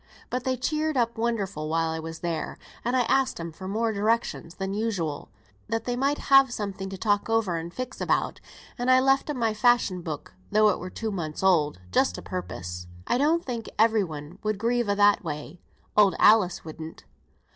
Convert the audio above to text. But they cheered up wonderful while I was there, and I asked 'em for more directions than usual, that they might have something to talk over and fix about; and I left 'em my fashion book (though it were two months old) just a purpose." "I don't think every one would grieve a that way. Old Alice wouldn't."